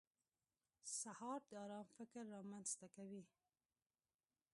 سهار د ارام فکر رامنځته کوي.